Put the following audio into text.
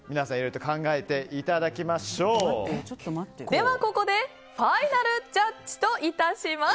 では、皆さんここでファイナルジャッジといたします。